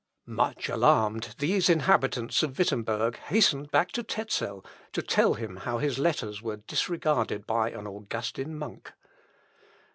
Much alarmed, these inhabitants of Wittemberg hastened back to Tezel to tell him how his letters were disregarded by an Augustin monk.